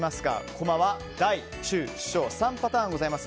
コマは大、中、小３パターンございます。